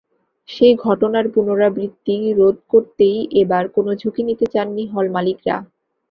সেই ঘটনার পুনরাবৃত্তি রোধ করতেই এবার কোনো ঝুঁকি নিতে চাননি হল-মালিকরা।